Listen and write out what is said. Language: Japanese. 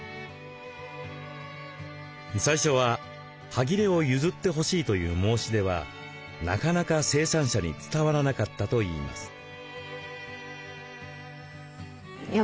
最初ははぎれを譲ってほしいという申し出はなかなか生産者に伝わらなかったといいます。